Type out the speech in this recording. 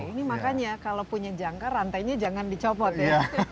ini makanya kalau punya jangka rantainya jangan dicopot ya